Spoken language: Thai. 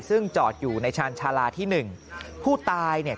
ซึ่งจอดอยู่ในชาญชาลาที่หนึ่งผู้ตายเนี่ย